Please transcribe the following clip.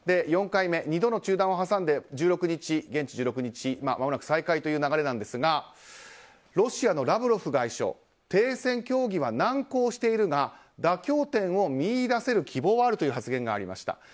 ４回目、２度の中断を挟んで現地１６日まもなく再開という流れなんですがロシアのラブロフ外相停戦協議は難航しているが妥協点を見いだせる希望がありました。